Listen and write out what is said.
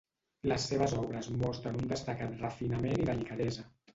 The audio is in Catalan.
Les seves obres mostren un destacat refinament i delicadesa.